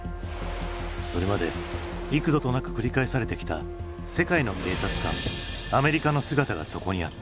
それまで幾度となく繰り返されてきた世界の警察官アメリカの姿がそこにあった。